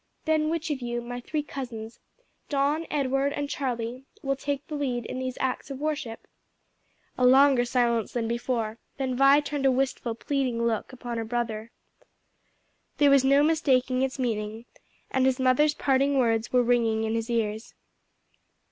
"Then which of you, my three cousins, Don, Edward, and Charlie, will take the lead in these acts of worship?" A longer silence than before; then Vi turned a wistful, pleading look upon her brother. There was no mistaking its meaning; and his mother's parting words were ringing in his ears.